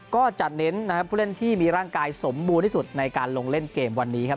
ก็จะเน้นนะครับผู้เล่นที่มีร่างกายสมบูรณ์ที่สุดในการลงเล่นเกมวันนี้ครับ